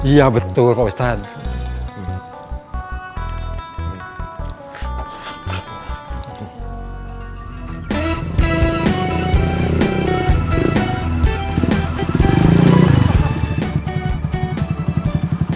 iya betul pak ustadz